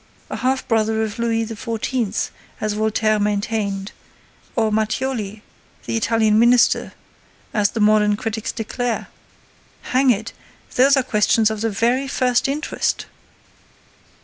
A half brother of Louis XIV., as Voltaire maintained, or Mattioli, the Italian minister, as the modern critics declare? Hang it, those are questions of the very first interest!"